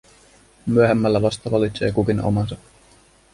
Myöhemmällä vasta valitsee kukin omansa.